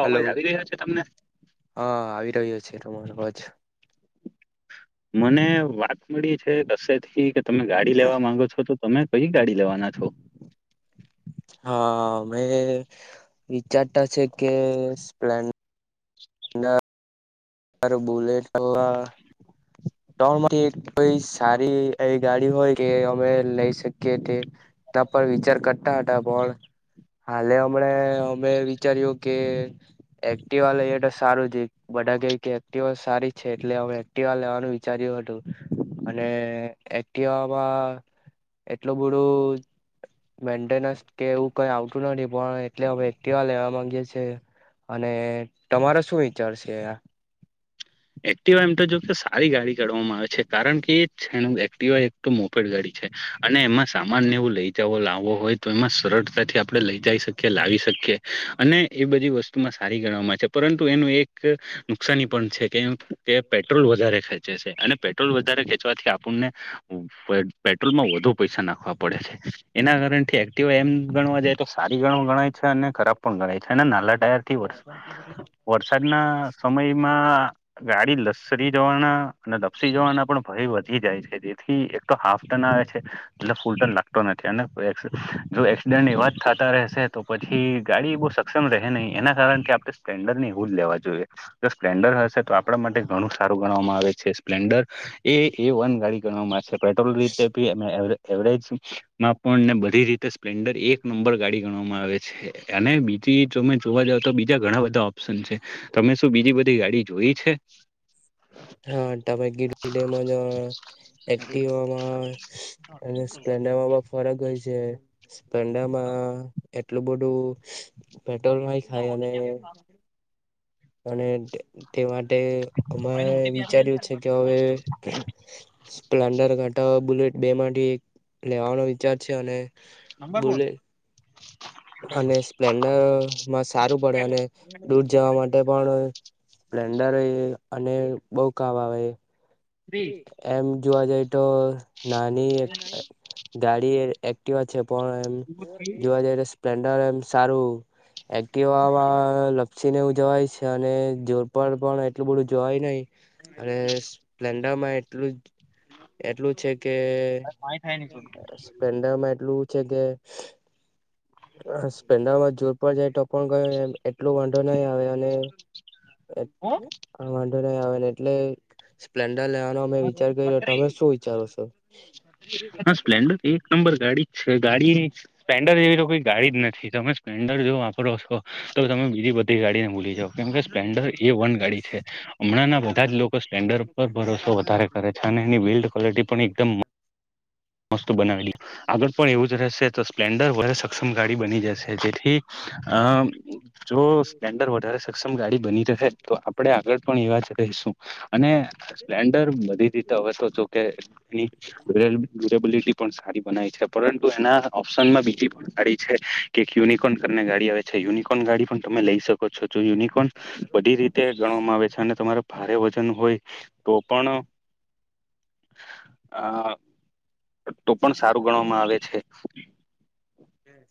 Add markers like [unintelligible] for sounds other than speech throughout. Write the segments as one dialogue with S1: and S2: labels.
S1: Hello હા આવી રહયો છે તમારોજ
S2: મને વાત મળી છે રસે થી કે તમે ગાડી લેવા માંગો છો તો તમે કઈ ગાડી લેવાના છો
S1: હા મેં વિચારતા છે કે સ્પ્લેન્ડ ના હ બુલેટ અલ્લા ત્રણ માંથી કોઈ સારી એવી ગાડી હોય કે અમે લઈ શકીએ તે. એના પર વિચાર કરતા હતા પણ હાલે હમણા અમે વિચાર્યું કે એક્ટીવા વા એ તો સારું છે બધા કઈક કે એક્ટવા સારી છે એટલે અમે એક્ટિવા લેવાનું વિચાર્યું હતું. અને એક્ટીવામાં એટલું બધું મેન્ટેનન્સ કે એવું કઈ આવતું નથી પણ એટલે એકટીવા લેવા માંગીએ છીએ. અને તમારા શું વિચાર છે આ
S2: એક્ટિવા એમ તો જો કે સારી ગાડી કાવામાં આવે છે કારણ કે એ જ છે એક્ટિવા એક મોફેડ ગાડી અને એમાં સામાનને એવું લઈ જ લાવવો હોય તો એમાં સરળતાથી આપણે લઈ જઈ શકીએ લાવી શકીએ અને એ બધી વસ્તુમાં સારી ગણવામાં છે પરંતુ એનું એક નુકસાની પણ છે તે પેટ્રોલ વધારે ખેંચે છે અને પેટ્રોલ વધારે ખેચવાથી આપણને પેટ્રોલ માં વધુ પૈસા નાખવા પડે છે એના કારણ થી એક્ટિવ એમ ગણવા જાય તો સારી ગણ ગણાય છે અને ખરાબ પણ ગણાય છે અને નાલા ટાયર થી વરસાદ ના સમયમાં ગાડી લસરી જવાના અને લપસી જવાના પણ ભય વધી જાય છે જેથી એક તો હાફ ટન આવે છે એટલે ફૂલ પણ લાગતો નથી જો એસિડન્ટ એવા જ થતા રહેશે તો પછી ગાડી બહ સક્ષમ રહે નહીં એના કારણે સ્પન્ડર લેવા જોઈ સ્ન્ આપણા માટે ઘણું સારું ગણવામાં આવે છે સ્પ્લેન્ડર. એ એ વન ગાડી ગણવામાં છે. પેટ્રોલ રીતે બી અન એવરેજ પણને બધી રીતે સ્પ્લેન્ડર એક નંબર ગાડી ગણવામાં આવે છે અને બી તે તમે જોવા જાવ તો બીજા ઘણા બધા ઓપ્શન છે તમે શું બીજી બધી ગાડી એ છે.
S1: હા તમે ગિ ડમાં એક્ટવામાં અને સ્પ્લેન્ડરમાં પણ ફરક હોય છ છે. સ્પડામાં એટલું બધું પેટ્રોલ ન ખાય અને અને તે તે એ અમે વિચાર્યું છે કે હવે સ્પ્લેન્ડર ઘાંટા બુલેટ બે માંથી એક લેવાનો વિચાર છે અને
S2: નંબર બોલ.
S1: અને સ્પ્લેન્ડર માં સારું પડે અને દૂર જવા માટે પણ સ્પ્લેન્ડર અને બહ કાવા આવે. એમ જોવા જાય તો નાની ગાડી એકટીવા છે પણ એમ જોવા જઈ સ્પેન્ડર એમ સારું. એક્ટિવામાં છે ને એ જવાય છે અને જોર પાર પણ એટલું બધું જોવાય નઈ અને એંદમાં એટલુ એટલું છે કે સ્પન્ડમ એટલું જગ સ્પેન્ડામાં જોર પણ જાય તો પણ ગયો એટલો વાંધો નહી આવે અને વાંધો નહી આવેને એટલે સ્પ્લેન્ લેવાનો અમે વિચાર કર્યો. તમે શું વિચારો છો?
S2: હા સપ્લેન્ડર એક નંબર ગાડી જ છે. ગાડી સપ્લેન્ડર જેવી તો કોઈ ગાડી જ નથી. તમે સ્પ્લેન્ડર જો આપ તો તમે બીજી બધી ગાડીને ભૂલી જાવ. કેમ કે સન્ડરલેન્ડ એ વન ગાડી છે હમણાં ના ભાવ બધા જ લોકો સપ્લેન્ડર પર ભરોસો વધારે કરે છે અને એની બિલ્ડ ક્વોલિટી પણ એકદમ મસ્ત બનાવેલી આગળ પણ એવું જ રહેશે તો સપ્લેન્ડર વધારે સક્ષમ ગાડી બની જશે. જેથી
S1: [unintelligible] [inaudible]
S2: જો સપ્લેન્ડર વધારે સક્ષમ ગાડી બની રહે તો આપણે આગળ પણ એવા જ કહીશું અને સપ્લેન્ડર બધી રીતે હવે જો કે [unintelligible] ડ્યુરેબિલિટી પણ સારી બનાય છે પરંતુ એના ઓપ્શનમાં બીજી પણ ગાડી છે કે યુનિકોન કરીને ગાડી આવે છે, યુનિકોન ગાડી પણ તમે લઈ શકો છો. જો યુનિકોર્ન બધી રીતે ગણવામાં આવે છે અને તમારે ભારે વજન હોય તો પણ આ તો પણ સારું ગણવામાં આવે છે.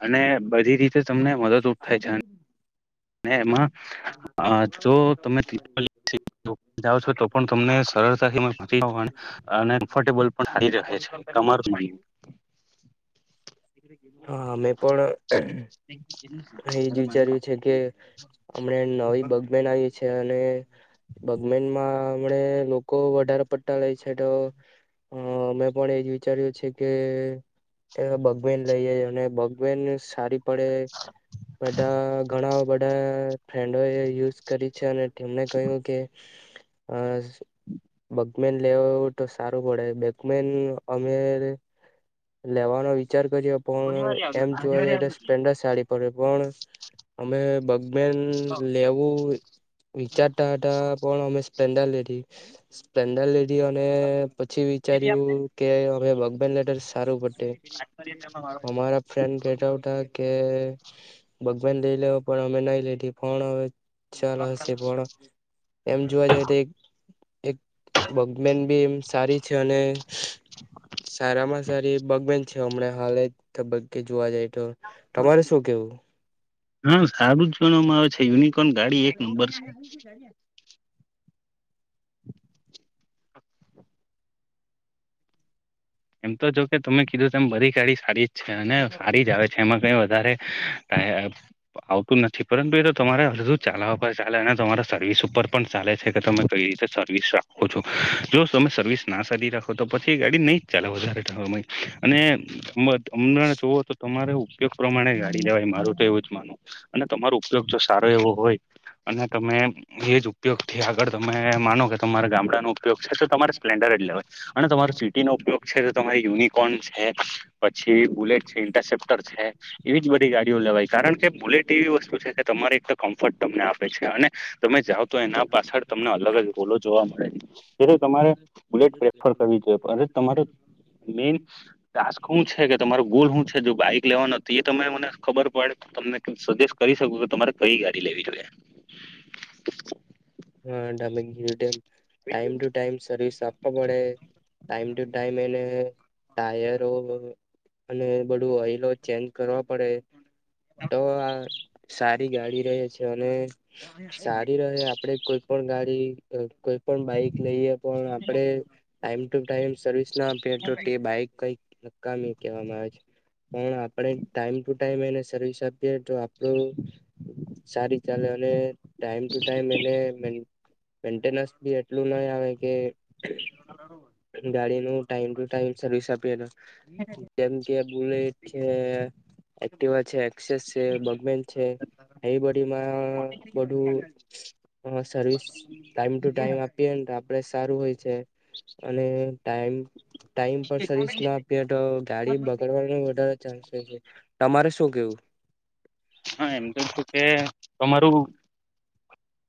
S2: અને બધી રીતે તમને મદદરૂપ થાય છે. એમાં જો તમે ત્રિપલ [inaudible] જાઓ છો તો પણ તમને સરળતાથી અને કમ્ફટેબલ પણ સારી રહે છે. તમારૂ શુ કહેવુ?
S1: હા મે પણ એજ વિચાર્યું છે કે હમને નવી બગ બન આવી છે અને બગમેનમાં એ લોકો વધારે પડતા લે છે તો અ મે પણ એજ વિચાર્યું છે કે એ બગબેન લઈએ અને બગબેન સારી પડે બધા ઘણા બધા ફ્રેન્ડો એ યુઝ કરી છે અને તેમણે કહ્યું કે અ બગ મેન લેવ તો સારું પડે. બેકમેન અમે લેવાનો વિચાર પણ એમ જોવા જય તો સપ્લેન્ડર સારી પડે પણ અમે બગ મેન લેવું વિચારતા‌ હતા પણ અમે સપ્લેન્ડર લિધી. સપ્લેન્ડર અને પછી વિચાર્યું કે અમે [unintelligible] લેટર. હારું પતે, અમારા‌ ફેન્ડ કેતાવતા કે બગ લઇ પણ અમે નહી લીધી પણ હવે ચાલો હશે પણ એમ જોવા જઈએ તો- એક બગમેન ભી એમ સારી છે અને સારામાં સારી બગમેન છે હમને હાલે તબક્કે જોવા જાય તો તમારે શું કેવું?
S2: હા સારું જ ગણવામાં આવે છે યુનિકોર્ન ગાડી એક નંબર છે. એમ તો જો કે તમે કીધું તો એમ બધી ગાડી સારી જ છે અને સારી જ આવે છે એમાં કઈ વધારે [inaudible] આવતું નથી પરંતુ એ તો તમારે હ સુધી ચલવવા પર ચાલે અને તમારા સર્વિસ ઉપર પણ ચાલે છે, કે તમે કઈ સર્વિસ રાખો છો, જો તમે સર્વિસ ના સારી રાખો તો પછી એ ગાડી નહી ચાલે વધારેવા [unintelligible] અને તમને જોવો તો તમારે ઉપયોગ પ્રમાણે ગાડી લેવાય મારો એવું જ માનું અને તમારો ઉપયોગ જો સારો એવો હોય. અને તમે એજ ઉપયોગ થી આગળ તમે માનો કે તમારા ગામડાનું ઉપયોગ છે તો તમારે સપ્લેન્ડર જ લેવાય અને તમારો સિટીનો ઉપયોગ છે તો તમારી યુનિકોર્ન છે, પછી બુલેટ છે, ઇન્ટરસેપ્ટર છે, એવી જ બધી ગાડીઓ લેવાય કારણ કે બુલેટ એવી વસ્તુ છે કે તમારે એક તો કમ્ફર્ટ તમને આપે છે અને તમે જાઓ તો એના પાછળ તમને અલગ રોલો જોવા મળે છે, તેથી તમારે બુલેટ પ્રેફર કરવી જોઈએ અને તમારે મેન ટાસ્ક શું છે કે તમારો ગોલ શું છે, જો બાઈક લેવાનો તો એ તને મને ખબર પડે તમને સજેસ્ટ કરી શકું કે તમારે કઈ ગાડી લેવી જોઈએ.
S1: હા તમે કીધું તેમ ટાઈમ ટું ટાઈમ સર્વિસ આપ પડે ટાઈમ ટુ ટાઈમ એને ટાયરો અને બધું ઓઇલો ચેન્જ કરવા પડે. તો આ સારી ગાડી રહે છે અને સારી રહે આપડે કોઈ પણ ગાડી કોઈ પણ બાઈક લઈએ, પણ આપડે ટાઈમ ટુ ટાઈમ સર્વિસ ના પેટ્રો બાઈક કઈક નકામી કહેવામાં આવે છે. પણ આપણે ટાઈમ ટુ ટાઈમ એને સર્વિસ આપીએ તો આપડું સારી ચાલે અને ટાઈમ ટુ ટાઈમ એને મેન્ટેન્સ ભી એટલું નહી આવે કે, ગાડી ન ટાઈમ ટુ ટાઈમ સર્વિસ આપીલો જે કે બુલેટ છે, એક્ટિવા છે, ઍક્સેસ છે, બર્ગમેન છે એ તેમા બધું સર્વિસ ટાઈમ ટુ ટાઈમ આપીને આપડે સારું હોય છે અને ટાઈમ ટાઈમ પર સર્વિસ ના આપી તો, ગાડી બગડવા વધારે તમારે શું કેવું?
S2: હા એમ જો છું કે તમારું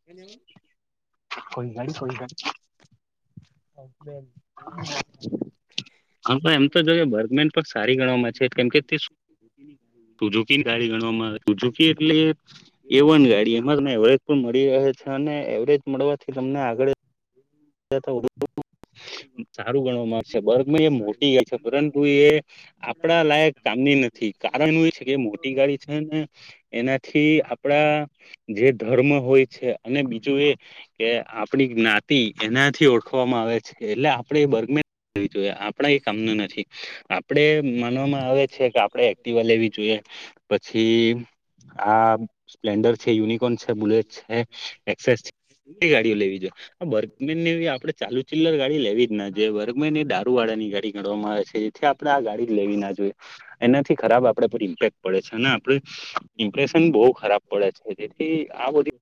S1: એવ,
S2: [unintelligible]
S1: [inaudible] [unintelligible]
S2: હા એમ તો જો બર્ગમેન પણ સારી ગણવામાં છે, કેમ કે તે સુજુકીની ગાડી ગણવામાં આવે સુઝુકી એટલે એ વન ગાડી એમાં ત એવરેજ પણ મળી અને એવરેજ મળવાથી તમને આગળ [unintelligible] સારું ગણવામાંગશે બર્ગ માં એ મોટી એજે છે, પરંતુ એ આપણા લાયક કામ ની નથી કારણ હોય કે મોટી ગાડી છે ને એનાથી આપડા જે ધર્મ હોય છે, અને બીજું એ કે આપડી જ્ઞાતિ એનાથી ઓળખવામાં આવે છે, એટલે આપણેે એ બર્ગમેન જોઈએ આપણા એ કામનું નથી. આપડે માનવામાં આવે છે કે આપડે એક્ટિવા લેવી જોઈએ પછી આ સ્પ્લેન્ડર છે યુનિકોર્ન છે બુલેટ છે એક્સેસ છે [inaudible] ગાડીઓ લેવી જોઈએ [unintelligible] [unintelligible] આપણે ચાલુ ચિલ્લર ગાડી લેવી જ ના જે બગમેન એને દારૂવાળા ની ગાડી ગણવામાં આવે છે જેથી આપણે લેવી ના જોઈએ એનાથી ખરાબ આપડે પર ઇમ્પેક્ટ પડે છે અને આપડે ઇમ્પ્રેશન બહુ ખરાબ પડે છે જેથી આ બધી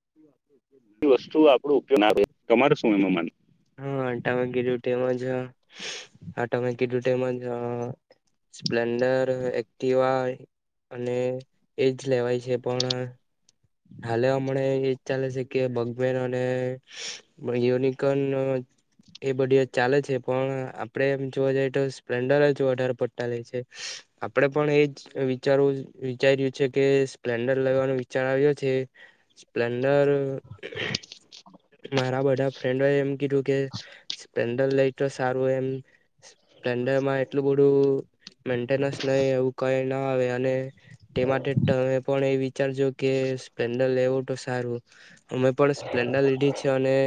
S1: હા તમે કીધું તેમજ હા તમે કીધું તેમજ સ્પ્લેન્ડર એક્ટિવા અને એજ લેવાય છે પણ હાલે હમણા એજ ચાલે છે કે, બગમેન અને યુનિકન એ બધી ચાલે છે, પણ આપડે એમ જોવા જઈએ તો સ્પ્લેન્ડર જ વધારે પડતા લે છે. આપડે પણ એજ વિચારું વિચાર્યું છે કે સ્પ્લેન્ડર લેવાનો વિચાર આવ્યો જે સ્પ્લેન્ડર મારા બધા ફ્રેન્ડોએ એમ કીધું કે, સ્પેન્ડલ લઈ તો સારું, એમ સ્પ્લેન્ડરમાં એટલું બધુ મણમેન્ટેનસ નઈ એવું કઈ ના આવે અને તે માટે તમે પણ એ વિચારજો કે સ્પ્લેન્ડર લેવો તો સારું અમે પણ સ્પ્લેન્ડર લઈ છે ને, અને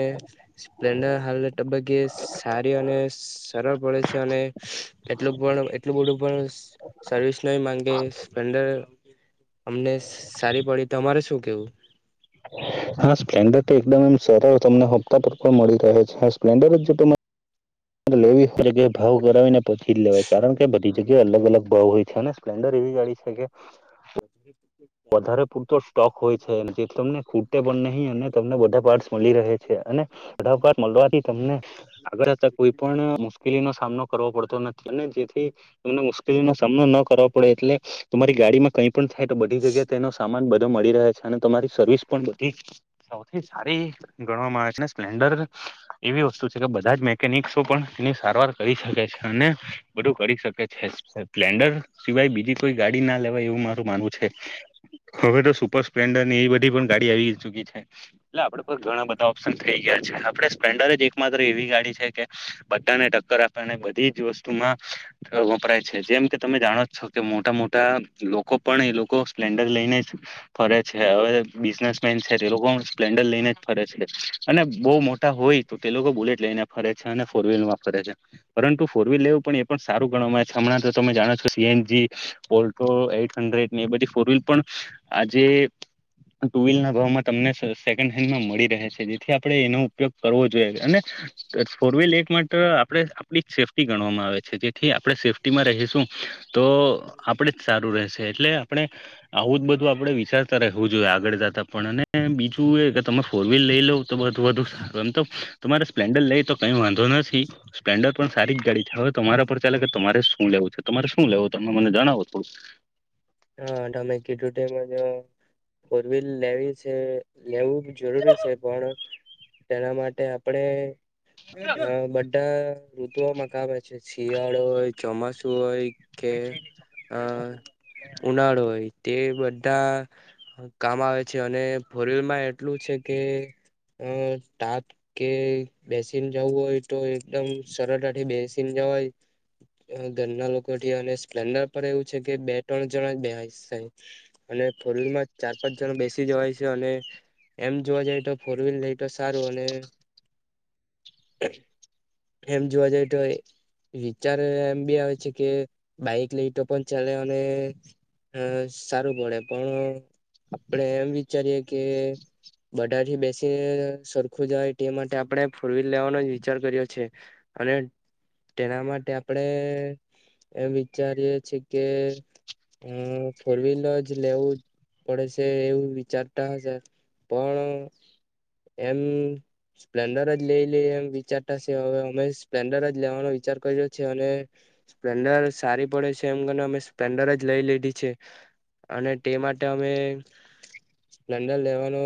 S1: સ્પ્લેન્ડર હાલ તબક્કે સારી અને સરળ પડે છે અને એટલું બધું, એટલું બધું પણ સર્વિસ નઈ માંગે સ્પ્લેન્ડર અમને સારી પડી તમારે શું કેવું
S2: [inaudible] હા, સ્પ્લેન્ડર તો એકદમ એમ સરળ, તમને હપ્તા પર પણ મળી રહ્યો છે, હ સ્પ્લેન્ડર જ જો ત લેવી હોય કે ભાવ કરાવીને પછી જ લેવાય કારણ કે બધી જગ્યા અલગ અલગ ભાવ હોય છે અને સ્પ્લેન્ડર એવી ગાડી છે કે વધારે પૂરતો સ્ટોક હોય છે જે તમને ખ પણ નહીં અને તમને બધા પાર્ટ મળી રહે છે અને પાર્ટ મળવાથી તમને આગળ કોઈ પણ મુશ્કેલીનો સામનો કરવો પડતો નથી અને જેથી તમને મુશ્કેલીનો સામનો ન કરવો પડે એટલે તમારી ગાડીમાં કઈ પણ થાય તો બધી જગ્યાએ તેનો સામાન બધો મળી રહે છે અને તમારી સર્વિસ પણ બધી સૌથી સારી ગ [unintelligible] સપ્લેન્ડર એવી વસ્તુ છે કે બધા જ મેકેનિકસો પણ તેની સારવાર કરી શકે છે અને બધું કરી શકે છે સ્પ્લેન્ડર સિવાય બીજી કોઈ ગાડી ના લેવાય એવું મારું માનવું છે. [inaudible] હવે તો સુપર સ્પ્લેન્ડર ની એ બધી પણ ગાડી આવી ચુકી છે એટલે આપડે પર ઘણા બધા ઓપ્શન થઈ ગયા છે. આપણે સ્પ્લેન્ડર જ એક માત્ર એવી ગાડી છે કે બધાને ટક્કર આપેને બધી જ વસ્તુમાં. વપરાય છે જેમ કે તમે જાણો જ છો કે મોટા મોટા લોકો પણ એ લોકો લોકો સ્પ્લેન્ડર લઈને જ ફરે છે હવે બિઝનેસમેન છે તે લોકો સ્પ્લેન્ડર લઈને જ ફરે છે અને બહું મો હોય તો તે લોકો બુલેટ લઈને ફરે છે અને ફોર વ્હીલ વા ફરે છે પરંતુ ફોર વ્હીલ લેવું પણ એ પણ સારું ગ હમણાં તો તમે જાણો છો સીએનજી ઓલ્ટો એઈટ હંડ્રેડ એ બધી ફોર વ્હીલ પણ આજે ટુ વ્હીલ ના ભાવમાં તમને સેકન્ડ હેન્ડમાં મળી રહે છે જેથી આપણે એનો ઉપયોગ કરવો જોઈએ અને ફોરવિલ એક માટે આપણે આપડી સેફ્ટી ગણવામાં આવે છે જેથી આપણે સેફ્ટીમાં રહીશું. તો આપડે જ સારું રહેશે એટલે આપણે આવું જ બધું આપડે વિચારતા રહેવું જોઈએ આગળ જતા. પણ અને બીજું એ કે તમે ફોર વ્હીલ લઈ લોવ તો બું વધુ સારું એમ તો તમારે સ્પ્ન્ડર લઈ તો ક વાંધો નથી સ્પ્લેન્ડર પણ સારી જ ગાડી છે હવે તમારા પર ચાલે કે તમારે શું લેવું છે તમારે શું લેવું ત મને જણાવો થોડું.
S1: હામે ફોર વ્લ લેવી છે. લેવું જરૂરી છે પણ તેના માટે આપણે બ બટ ઋતુમાં ક આવે આવે છે શિયાળો હોય ચોમાસું હોય. કે આ ઉનાળો હોય. તે બધા કામ આવે છે અને ફોરવલમાં એટલું છે કે અ તાપ કે બેસીને જવું હોય તો એકદમ સરળતાથી બેસીને જવા. ઘરના લોકો સ્પ્લેન્ડર પર એવું છે કે બે ત્રણ જણા બે અને ફોરલમાં ચાર પાંચ જણ બેસી જવાય છે અને એમ જોવા જઈ તો ફોર વ્લર લઈ તો સારું અને- એમ જોવા જાય તો વિચાર એમ બી આવે છે કે બાઈક લઈ તો પણ ચલે અ સારું પડે પણ આપડે એમ વિચારીએે કે બઢાર થી બેસીને સરખું જાય તે માટે આપણે ફોર વ્હીલ લેવાનો વિચાર કર્યો છે. અને તેના માટે આપણેે એમ વિચારીએ છીએ કે હ ફોર વ્હીલર જ લેવું. પડે છે એવું વિચારતા હશે પણ એમ સ્પ્લેન્ડર જ લઈ લઈ એમ વિચારતા છે હવે અમે સ્પ્લેન્ડર જ લેવાનો વિચાર કર્યો છે અને સ્પ્લેન્ડર સારી પડે છે એમ ગને અમે પન્ડર જ લઈ લીધી છે અને તે માટે અમે લંડન લેવાનો